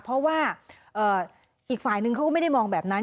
เพราะว่าอีกฝ่ายนึงเขาก็ไม่ได้มองแบบนั้น